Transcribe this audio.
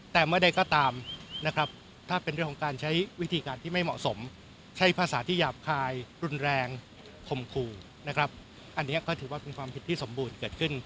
แต่เมื่อใดก็ตามนะครับถ้าเป็นเรื่องของการใช้วิธีการที่ไม่เหมาะสมใช้ภาษาที่หยาบคายรุนแรงข่มขู่นะครับอันนี้ก็ถือว่าเป็นความผิดที่สมบูรณ์เกิดขึ้น